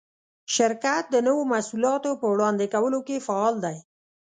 شرکت د نوو محصولاتو په وړاندې کولو کې فعال دی.